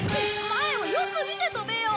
前をよく見て飛べよ。